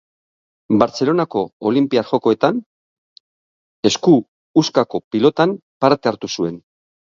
Bartzelonako Olinpiar Jokoetan esku huskako pilotan parte hartu zuen.